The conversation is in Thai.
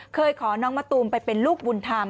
เคยขอน้องมะตูมไปเป็นลูกบุญธรรม